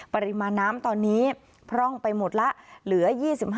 ปริมาณน้ำตอนนี้พร่องไปหมดแล้วเหลือ๒๕